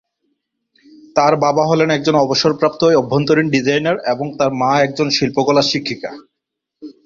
তার বাবা হলেন একজন অবসরপ্রাপ্ত অভ্যন্তরীণ ডিজাইনার এবং তার মা একজন শিল্পকলার শিক্ষিকা।